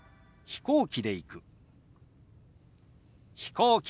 「飛行機で行く」。